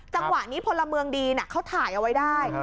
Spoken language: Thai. จังหวะนี้พลเมืองดีเขาถ่ายเอาไว้ได้